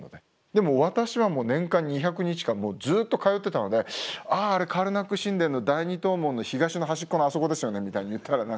でも私は年間２００日間ずっと通ってたので「ああれカルナック神殿の第２塔門の東の端っこのあそこですよね」みたいに言ったら何かね